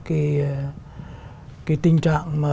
cái tình trạng